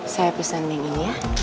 saya pesan yang ini ya